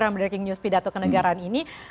pada saat pemuda king news pidato kenegaraan ini